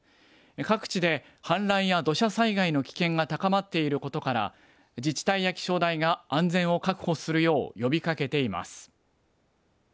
各地で氾濫や土砂災害の危険が高まっていることから、自治体や気象台が安全を確保するよう呼びかけています。